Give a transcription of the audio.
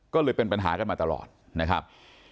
ก็เลยเป็นปัญหากันมาตลอดนะครับ